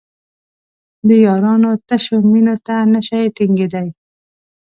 د یارانو تشو مینو ته نشي ټینګېدای.